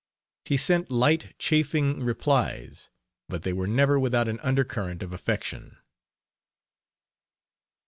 He sent light, chaffing replies, but they were never without an undercurrent of affection.